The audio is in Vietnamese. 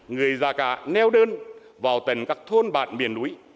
người già cả neo đơn vào tầng các thôn bản miền núi